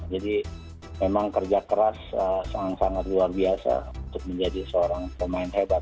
jadi memang kerja keras sangat sangat luar biasa untuk menjadi seorang pemain hebat